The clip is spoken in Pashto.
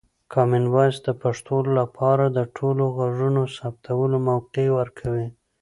کامن وایس د پښتو لپاره د ټولو غږونو ثبتولو موقع ورکوي.